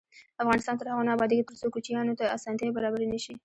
افغانستان تر هغو نه ابادیږي، ترڅو کوچیانو ته اسانتیاوې برابرې نشي.